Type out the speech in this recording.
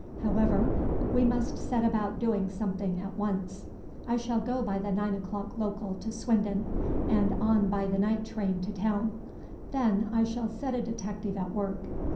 However, we must set about doing something at once. I shall go by the nine o'clock local to Swindon, and on by the night mail to town. Then I shall set a detective at work.